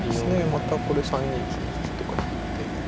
またこれ３二金引とか引いて。